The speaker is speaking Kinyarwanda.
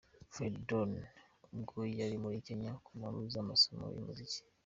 Freddy Don ubwo yari muri Kenya ku mpamvu z'amasomo y'umuziki.